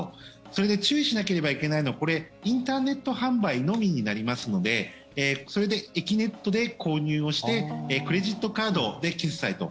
それで注意しなければいけないのはこれ、インターネット販売のみになりますのでそれで、えきねっとで購入をしてクレジットカードで決済と。